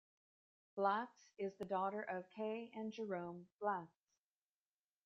Blatz is the daughter of Kay and Jerome Blatz.